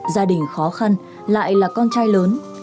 gia đình khó khăn lại là con trai lớn